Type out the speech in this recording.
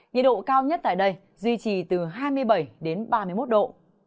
nhiệt độ cao nhất tại đây duy trì từ hai mươi bảy đến ba mươi một độ